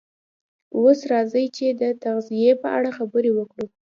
اوس راځئ چې د تغذیې په اړه خبرې وکړو